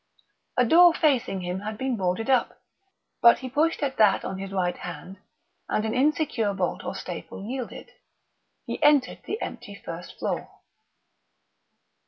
A door facing him had been boarded up, but he pushed at that on his right hand, and an insecure bolt or staple yielded. He entered the empty first floor.